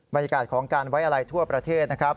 บรรยากาศของการไว้อะไรทั่วประเทศนะครับ